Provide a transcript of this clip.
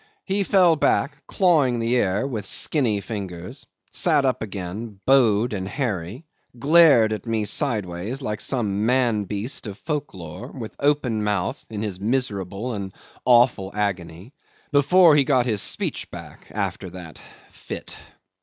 He fell back, clawing the air with skinny fingers, sat up again, bowed and hairy, glared at me sideways like some man beast of folk lore, with open mouth in his miserable and awful agony before he got his speech back after that fit.